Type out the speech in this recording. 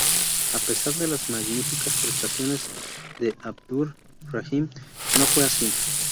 A pesar de las magníficas prestaciones de Abdur-Rahim no fue así.